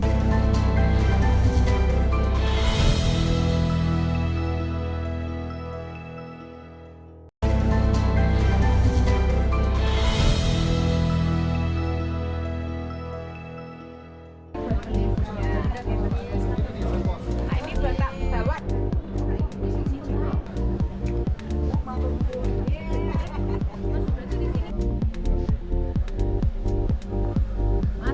jadi saya sudah menikmati